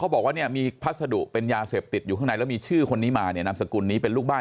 บอกว่าเนี่ยมีพัสดุเป็นยาเสพติดอยู่ข้างในแล้วมีชื่อคนนี้มาเนี่ยนามสกุลนี้เป็นลูกบ้าน